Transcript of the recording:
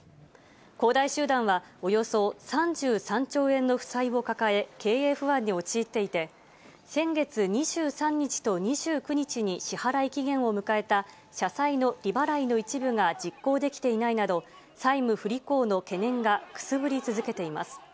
恒大集団はおよそ３３兆円の負債を抱え、経営不安に陥っていて、先月２３日と２９日に支払い期限を迎えた社債の利払いの一部が実行できていないなど、債務不履行の懸念がくすぶり続けています。